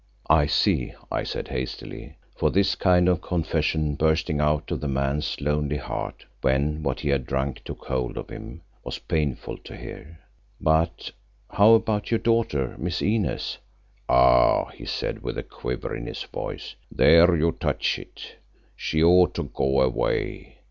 "I see," I said hastily, for this kind of confession bursting out of the man's lonely heart when what he had drunk took a hold of him, was painful to hear. "But how about your daughter, Miss Inez?" "Ah!" he said, with a quiver in his voice, "there you touch it. She ought to go away.